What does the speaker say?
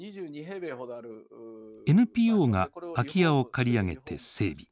ＮＰＯが空き家を借り上げて整備。